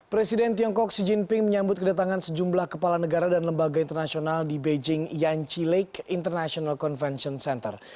presiden tiongkok xi jinping menyambut kedatangan sejumlah kepala negara dan lembaga internasional di beijing yan chi league international convention center